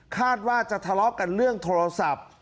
คาดว่าจะทะเลาะกันเรื่องโทรศัพท์